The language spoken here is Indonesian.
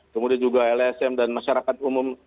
kemudian juga lsm dan masyarakat umum